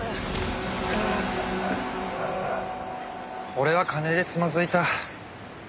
俺は金でつまずいた。